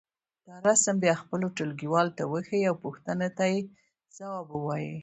دا رسم بیا خپلو ټولګيوالو ته وښیئ او پوښتنو ته یې ځواب ووایئ.